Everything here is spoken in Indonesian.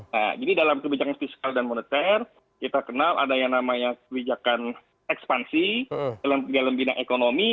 nah jadi dalam kebijakan fiskal dan moneter kita kenal ada yang namanya kebijakan ekspansi dalam bidang ekonomi